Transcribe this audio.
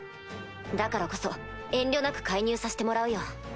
だからこそ遠慮なく介入させてもらうよ。